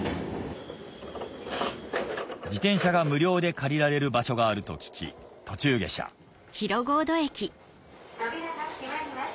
自転車が無料で借りられる場所があると聞き途中下車扉が閉まります